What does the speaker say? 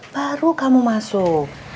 baru kamu masuk